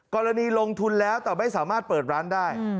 กรณีลงทุนแล้วแต่ไม่สามารถเปิดร้านได้